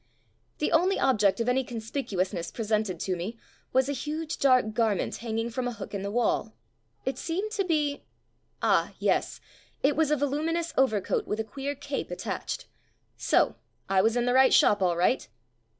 The only object of any con spicuousness presented to me was a huge, dark garment hanging from a hook in the wall. It seemed to be — ah! yes; it was a voluminuous over coat with a queer cape attached. So; I was in the right shop all right.